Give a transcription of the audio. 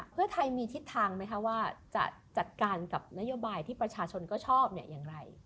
เพื่อไทยมีทิศทางไหมคะว่าจะจัดการกับนโยบายที่ประชาชนก็ชอบอย่างไร